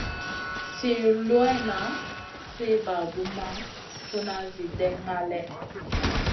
Sliw luwanŋa, sliw bagumʼma, funa, Zi ɗènŋa lèh.